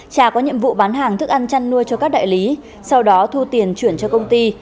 trà có nhiệm vụ bán hàng thức ăn chăn nuôi cho các đại lý sau đó thu tiền chuyển cho công ty